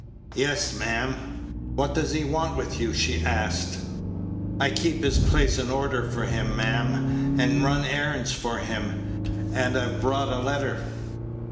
"Yes, ma'am." "What does he want with you?" she asked. "I keep his place in order for him, ma'am, and run errands for him; and I've brought a letter."